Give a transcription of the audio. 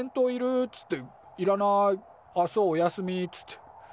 っつって「いらない」「あっそうおやすみ」っつって。